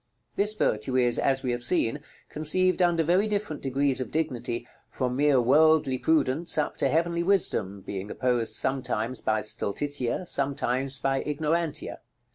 This virtue is, as we have seen, conceived under very different degrees of dignity, from mere worldly prudence up to heavenly wisdom, being opposed sometimes by Stultitia, sometimes by Ignorantia.